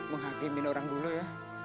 menghakimin orang dulu ya